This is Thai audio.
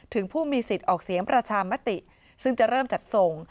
ถึงผู้มีสิทธิ์ออกเสียงประชามติซึ่งจะเริ่มจัดส่ง